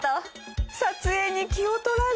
撮影に気を取られ。